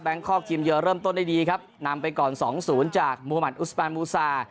คอกทีมเยือเริ่มต้นได้ดีครับนำไปก่อน๒๐จากมุมัติอุสปานมูซา